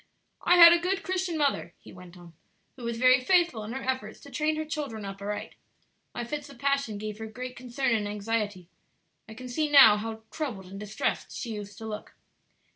"I had a good Christian mother," he went on, "who was very faithful in her efforts to train her children up aright. My fits of passion gave her great concern and anxiety. I can see now how troubled and distressed she used to look.